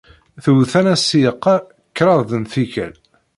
Twet-aneɣ ssiɛqa kraḍt n tikkal.